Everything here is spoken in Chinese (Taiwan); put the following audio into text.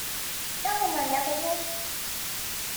跟我們聊個天